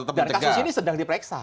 dan kasus ini sedang diperiksa